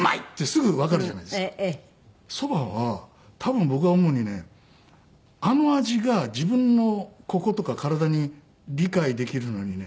そばは多分僕が思うにねあの味が自分のこことか体に理解できるのにね